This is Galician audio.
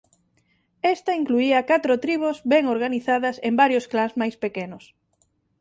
Esta incluía catro tribos ben organizadas en varios clans máis pequenos.